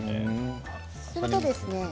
するとですね